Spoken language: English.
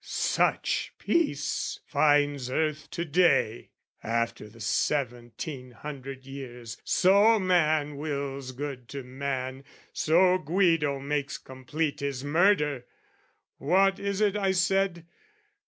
such peace finds earth to day! After the seventeen hundred years, so man Wills good to man, so Guido makes complete His murder! what is it I said?